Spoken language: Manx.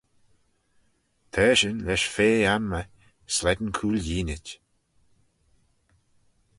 T'eshyn lesh fea-anmey slane cooilleenit.